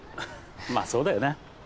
まあそうだよな。